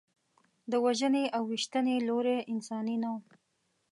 د وژنې او ویشتنې لوری انساني نه و.